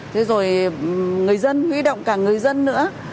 thế rồi người dân huy động cả người dân nữa